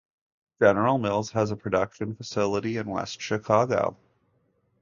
General Mills has a production facility in West Chicago.